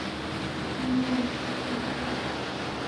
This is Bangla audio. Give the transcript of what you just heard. আমি এইমাত্র সেখান থেকে আসছি।